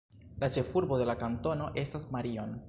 La ĉefurbo de la kantono estas Marion.